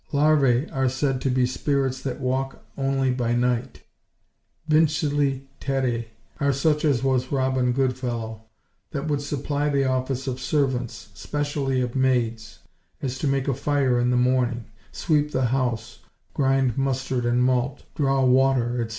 Larvæ are said to be spirits that walk onelie by night. Vinculi terrei are such as was Robin Goodfellowe, that would supplie the office of servants, speciallie of maides, as to make a fier in the morning, sweepe the house, grind mustard and malt, drawe water, etc.